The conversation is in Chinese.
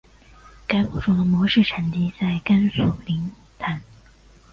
该物种的模式产地在甘肃临潭。